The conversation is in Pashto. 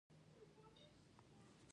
پنځه ویشت لویې کارخانې د بانکونو برخه وې